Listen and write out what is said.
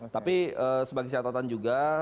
tapi sebagai syaratan juga